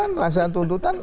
langsung saja tuntutan